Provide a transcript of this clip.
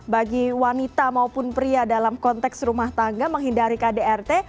bagi wanita maupun pria dalam konteks rumah tangga menghindari kdrt